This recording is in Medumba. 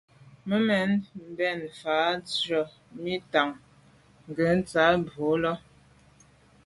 Memo’ bèn mfa’ ntsha mi ntàn ke ntsha bwe’e lo.